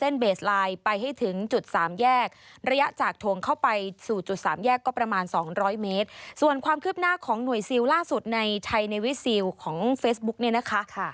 ในไทยในวิซิลของเฟซบุ๊กเนี่ยนะคะ